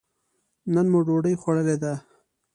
نن مو ډوډۍ خوړلې ده.